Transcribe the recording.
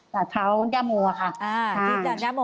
ร้านเท้าย่าโม่ค่ะ